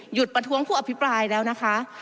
ประท้วงผู้อภิปรายแล้วนะคะ